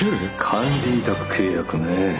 管理委託契約ねえ。